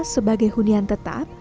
sebagai hunian tetap